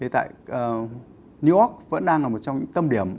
tại new york vẫn đang là một trong những tâm điểm